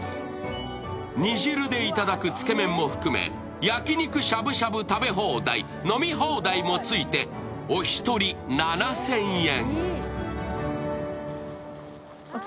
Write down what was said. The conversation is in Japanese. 煮汁で頂くつけ麺も含め、焼き肉しゃぶしゃぶ食べ放題飲み放題もつけてお一人７０００円。